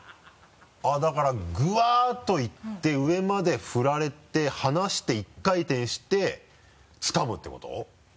あっだからグワッといって上まで振られて離して１回転してつかむってこと？